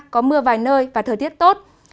có mưa vài nơi và thời tiết tốt